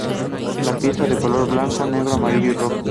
Las piezas son de color: blanco, negro, amarillo y rojo.